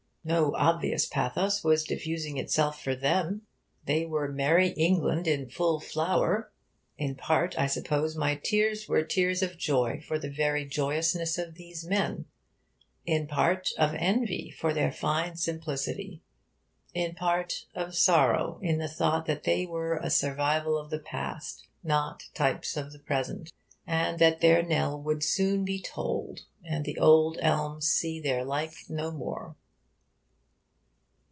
No obvious pathos was diffusing itself from them. They were Merrie England in full flower. In part, I suppose, my tears were tears of joy for the very joyousness of these men; in part, of envy for their fine simplicity; in part, of sorrow in the thought that they were a survival of the past, not types of the present, and that their knell would soon be tolled, and the old elm see their like no more.